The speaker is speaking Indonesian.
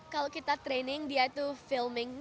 kalau kita training dia itu filming